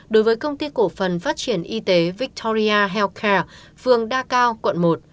đối với công ty cổ phần phát triển y tế victoria healthcare phường đa cao quận một